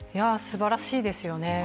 すばらしいですよね。